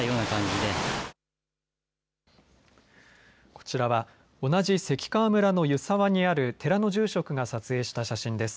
こちらは同じ関川村の湯沢にある寺の住職が撮影した写真です。